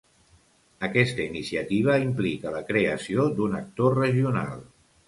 Aquesta iniciativa implica la creació d'un actor regional.